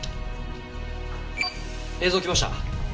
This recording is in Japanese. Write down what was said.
映像来ました。